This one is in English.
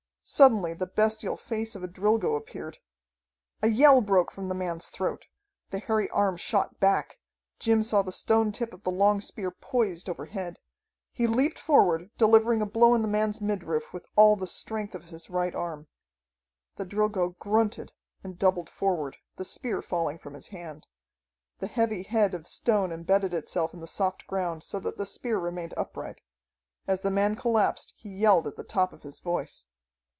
Suddenly the bestial face of a Drilgo appeared. A yell broke from the man's throat. The hairy arm shot back. Jim saw the stone tip of the long spear poised overhead. He leaped forward, delivering a blow in the man's midriff with all the strength of his right arm. The Drilgo grunted and doubled forward, the spear falling from his hand. The heavy head of stone embedded itself in the soft ground, so that the spear remained upright. As the man collapsed he yelled at the top of his voice.